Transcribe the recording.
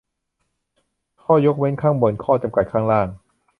"ข้อยกเว้นข้างบน ข้อจำกัดข้างล่าง"